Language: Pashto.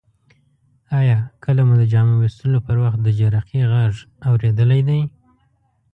آیا کله مو د جامو ویستلو پر وخت د جرقې غږ اوریدلی دی؟